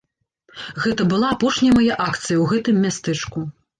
Гэта была апошняя мая акцыя ў гэтым мястэчку.